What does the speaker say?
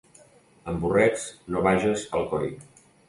Amb burrets no vages a Alcoi.